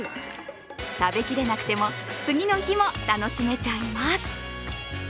食べきれなくても、次の日も楽しめちゃいます。